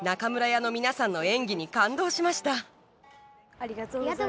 ありがとうございます。